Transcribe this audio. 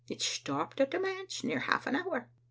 It stopped at the manse near half an hour.